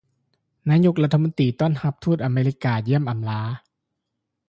ນາຍົກລັດຖະມົນຕີ ຕ້ອນຮັບທູດອາເມຣິກາຢ້ຽມອໍາລາ